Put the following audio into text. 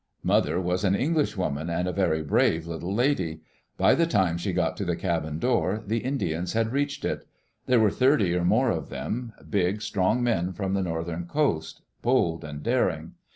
Mother was an Englishwoman and a very brave little lady. By the time she got to the cabin door the Indians had reached it. There were thirty or more of them, big, strong men from the northern coast, bold and daring.